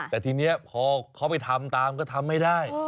แต่ทีนี้พอเขาไปทำตามก็ทำไม่ได้